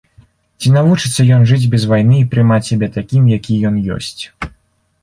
Ці навучыцца ён жыць без вайны і прымаць сябе такім, які ён ёсць?